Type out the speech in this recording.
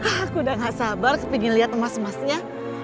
aku udah gak sabar pergi lihat emas emasnya